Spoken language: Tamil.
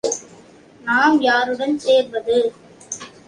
நாம் யாருடன் சேர்வது?